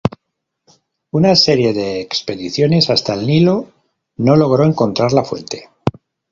Una serie de expediciones hasta el Nilo no logró encontrar la fuente.